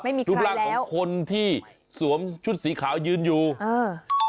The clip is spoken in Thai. ไม่มีใครแล้วดูบร่างของคนที่สวมชุดสีขาวยืนอยู่เออ